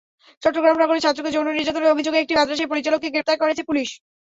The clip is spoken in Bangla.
চট্টগ্রাম নগরে ছাত্রকে যৌন নির্যাতনের অভিযোগে একটি মাদ্রাসার পরিচালককে গ্রেপ্তার করেছে পুলিশ।